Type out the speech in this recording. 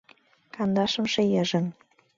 Кандашымше йыжыҥ